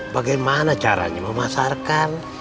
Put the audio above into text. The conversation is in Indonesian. bagaimana caranya memasarkan